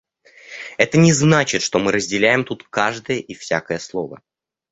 Это не значит, что мы разделяем тут каждое и всякое слово.